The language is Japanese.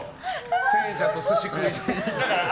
聖者と寿司食いに。